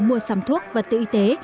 mua sắm thuốc và tự y tế